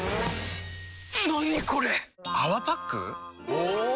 お！